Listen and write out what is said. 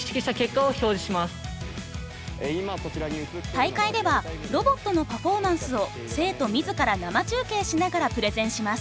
大会ではロボットのパフォーマンスを生徒自ら生中継しながらプレゼンします。